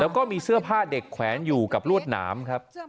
แล้วก็มีเสื้อผ้าเด็กแขวนอยู่กับรวดหนามครับ